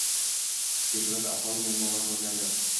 Deputat aholi muammolarini o‘rgandi